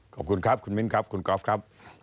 ขอบคุณครับคุณมิ้นครับคุณกอล์ฟครับ